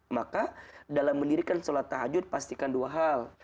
maka dalam mendirikan sholat tahajud pastikan dua hal